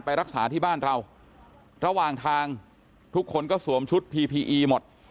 ไปรักษาที่บ้านเราระหว่างทางทุกคนก็สวมชุดพีพีอีหมด